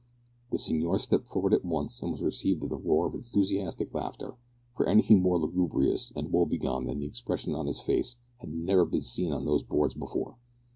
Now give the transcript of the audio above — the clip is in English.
The Signor stepped forward at once, and was received with a roar of enthusiastic laughter, for anything more lugubrious and woe begone than the expression of his face had never been seen on these boards before.